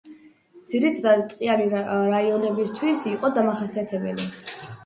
ძირითადად ტყიანი რაიონებისათვის იყო დამახასიათებელი.